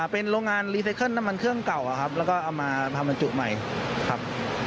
เป็นโรงงานรีไซเคิลน้ำมันเครื่องเก่าครับแล้วก็เอามาทำบรรจุใหม่ครับ